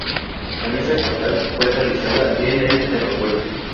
La misa campal fue realizada en el aeropuerto.